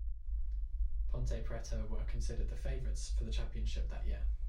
Ponte Preta were considered the favorites for the championship that year.